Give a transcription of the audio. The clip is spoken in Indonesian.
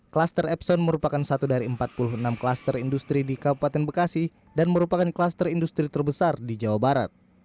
kluster epson merupakan satu dari empat puluh enam klaster industri di kabupaten bekasi dan merupakan kluster industri terbesar di jawa barat